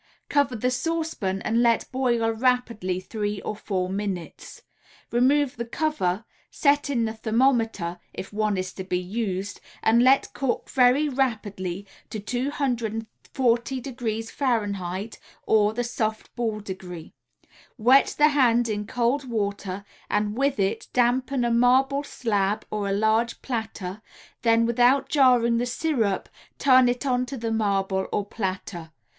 Cover the saucepan and let boil rapidly three or four minutes. Remove the cover, set in the thermometer if one is to be used and let cook very rapidly to 240° F., or the soft ball degree. Wet the hand in cold water and with it dampen a marble slab or a large platter, then without jarring the syrup turn it onto the marble or platter.